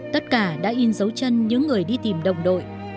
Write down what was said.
tất cả đã in dấu chân những người đi tìm đồng đội